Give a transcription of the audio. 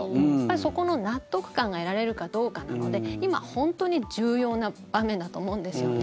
そこの納得感が得られるかどうかなので今、本当に重要な場面だと思うんですよね。